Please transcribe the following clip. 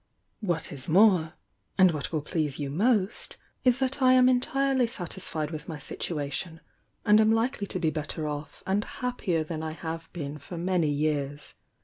What is more, and what will ple»! e you most, IS that I am entirely satisfied with n. situ ation and am likely to be better off and happier than I have been for many years.